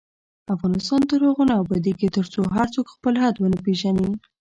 افغانستان تر هغو نه ابادیږي، ترڅو هر څوک خپل حد ونه پیژني.